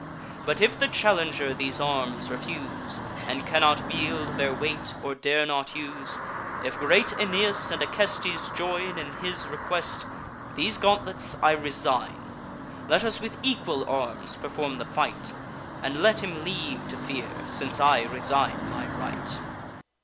But if the challenger these arms refuse, And cannot wield their weight, or dare not use; If great Aeneas and Acestes join In his request, these gauntlets I resign; Let us with equal arms perform the fight, And let him leave to fear, since I resign my right."